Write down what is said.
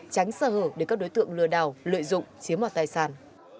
tránh sơ hở để các đối tượng lừa đảo lợi dụng chiếm mọt tài sản